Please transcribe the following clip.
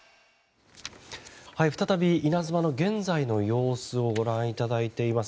再び「いなづま」の現在の様子をご覧いただいています。